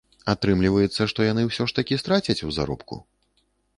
Атрымліваецца, што яны ўсё ж такі страцяць у заробку?